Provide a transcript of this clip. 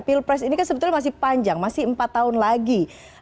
pilpres ini kan sebetulnya masih panjang masih empat tahun lagi